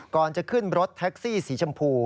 ก่อนจะขึ้นรถแท็กซี่สีชมพู